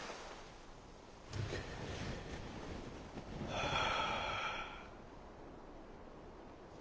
はあ。